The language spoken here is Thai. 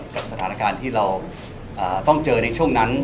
กับสถานการณ์ที่เราต้องเจอในช่วงนั้น